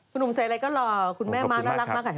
คุณอุ่มเศรษฐ์อะไรก็หล่อคุณแม่มาน่ารักมาก